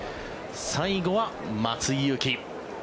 最後は松井裕樹。